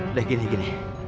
udah gini gini